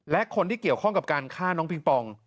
และคนที่เกี่ยวข้องกับการฆ่าน้องปิงปอง